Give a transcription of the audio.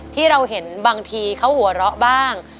ที่เราเห็นบางทีเขาหัวเราะบ้าง